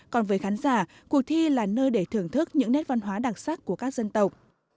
còn với khán giả cuộc thi là nơi để thưởng thức những nét văn hóa đặc sắc của các dân tộc